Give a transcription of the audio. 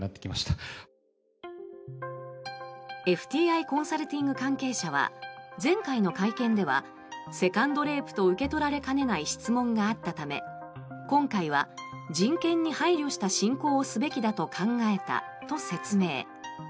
ＦＴＩコンサルティング関係者は前回の会見ではセカンドレイプと受け取られかねない質問があったため今回は人権に配慮した進行をすべきだと考えたと説明。